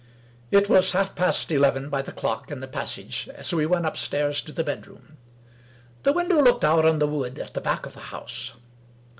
It was half past eleven by the clock in the passage as we went upstairs to the bedroom. The window looked out on the wood at the back of the house.